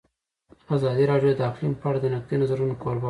ازادي راډیو د اقلیم په اړه د نقدي نظرونو کوربه وه.